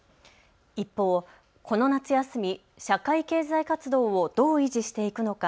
一方、この夏休み、社会経済活動をどう維持していくのか。